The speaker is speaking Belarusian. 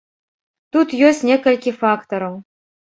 Тут ёсць некалькі фактараў.